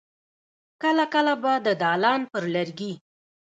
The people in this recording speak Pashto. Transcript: کله کله به د دالان پر لرګي.